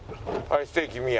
はいステーキ宮。